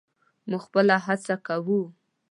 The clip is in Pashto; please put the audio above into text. موږ خپله هڅه کوو.